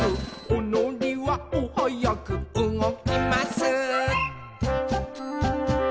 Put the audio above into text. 「おのりはおはやくうごきます」